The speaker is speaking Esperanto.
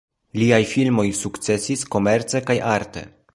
Liaj filmoj sukcesis komerce kaj arte.